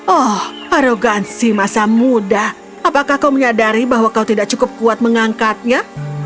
oh arogansi masa muda apakah kau menyadari bahwa kau tidak cukup kuat mengangkatnya